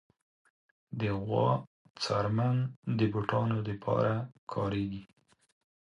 د غوا څرمن د بوټانو لپاره کارېږي.